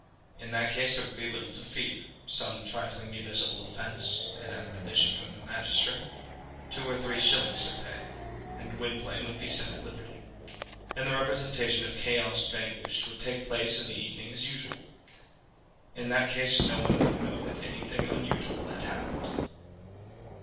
In that case there would be little to fear, some trifling municipal offence, an admonition from the magistrate, two or three shillings to pay, and Gwynplaine would be set at liberty, and the representation of "Chaos Vanquished" would take place in the evening as usual. In that case no one would know that anything unusual had happened.